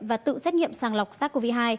và tự xét nghiệm sàng lọc sars cov hai